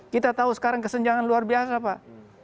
kita tahu sekarang kesenjangan luar biasa pak